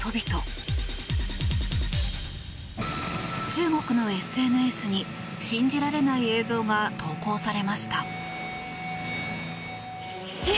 中国のＳＮＳに信じられない映像が投稿されました。